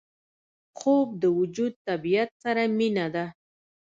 خوب د وجود طبیعت سره مینه ده